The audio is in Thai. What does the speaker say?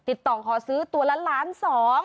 ติดต่อขอซื้อตัวละล้านสอง